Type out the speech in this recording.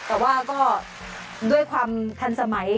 แต่ว่าก็ด้วยความทันสมัย